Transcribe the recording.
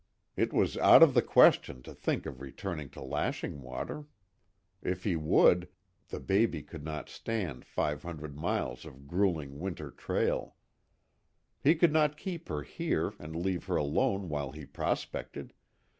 It was out of the question to think of returning to Lashing Water, if he would the baby could not stand five hundred miles of gruelling winter trail. He could not keep her here and leave her alone while he prospected.